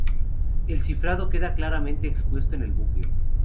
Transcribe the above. El cifrado queda claramente expuesto en el bucle.